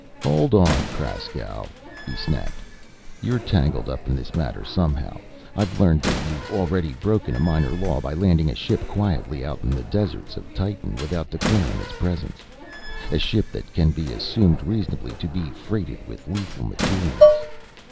"Hold on, Kraskow," he snapped. "You're tangled up in this matter, somehow. I've learned that you've already broken a minor law by landing a ship quietly out in the deserts of Titan without declaring its presence; a ship that can be assumed reasonably to be freighted with lethal materials.